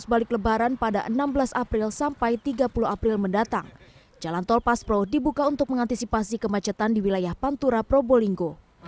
berarti ada tambahan pemudik tiga satu juta orang